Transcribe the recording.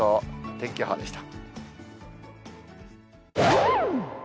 天気予報でした。